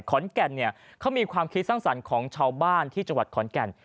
ขอนแก่นเนี่ยเขามีความคิดสร้างสรรค์ของชาวบ้านที่จังหวัดขอนแก่น